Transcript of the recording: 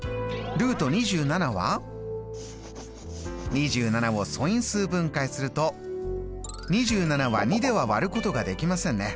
２７を素因数分解すると２７は２では割ることができませんね。